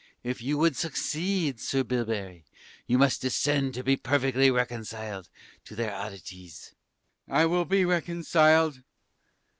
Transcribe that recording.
If you would succeed, Sir Bilberry, you must descend to be perfectly reconciled to their oddities. Sir B. I will be reconciled.